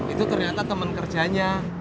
itu ternyata temen kerjanya